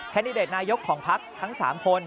แดดิเดตนายกของพักทั้ง๓คน